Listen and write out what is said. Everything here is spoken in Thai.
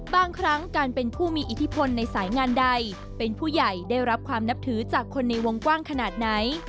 บางครั้งการเป็นผู้มีอิทธิพลในสายงานใดเป็นผู้ใหญ่ได้รับความนับถือจากคนในวงกว้างขนาดไหน